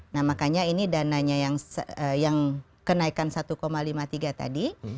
nah makanya ini dananya yang kenaikan satu lima puluh tiga tadi